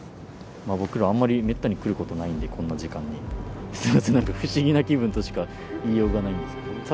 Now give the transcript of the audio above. まあ僕らあんまりめったに来ることないんでこんな時間に。すいませんなんか不思議な気分としか言いようがないんですけど。